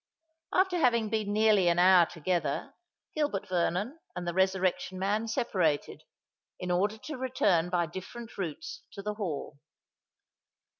After having been nearly an hour together, Gilbert Vernon and the Resurrection Man separated, in order to return by different routes to the Hall.